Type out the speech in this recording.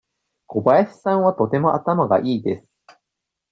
小林さんはとても頭がいいです。